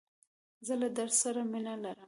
زه له درس سره مینه لرم.